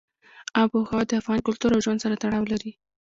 آب وهوا د افغان کلتور او ژوند سره تړاو لري.